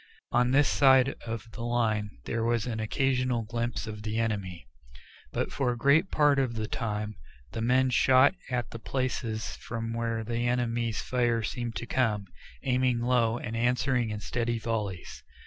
On this side of the line there was an occasional glimpse of the enemy. But for a great part of the time the men shot at the places from where the enemy's fire seemed to come, aiming low and answering in steady volleys.